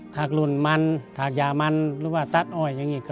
ธักรุนมันธักยามัน